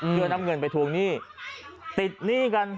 กลับมาพร้อมขอบความ